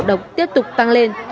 độc tiếp tục tăng lên